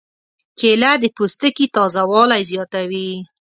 کېله د پوستکي تازه والی زیاتوي.